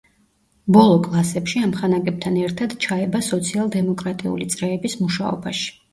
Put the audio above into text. ბოლო კლასებში ამხანაგებთან ერთად ჩაება სოციალ-დემოკრატიული წრეების მუშაობაში.